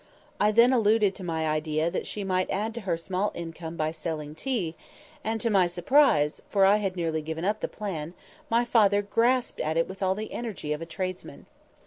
I then alluded to my idea that she might add to her small income by selling tea; and, to my surprise (for I had nearly given up the plan), my father grasped at it with all the energy of a tradesman.